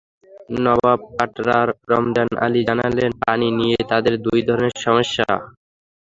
নবাব কাটরার রমজান আলী জানালেন, পানি নিয়ে তাঁদের দুই ধরনের সমস্যা।